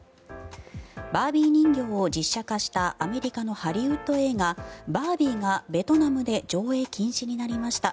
バービー人形を実写化したアメリカのハリウッド映画「バービー」がベトナムで上映禁止になりました。